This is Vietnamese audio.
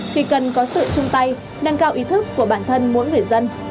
thì cần có sự chung tay nâng cao ý thức của bản thân mỗi người dân